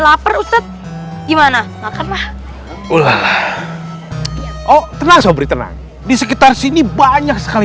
kaper based gimana makalah pulang oh perrasur straightener di sekitar sini banyak sekali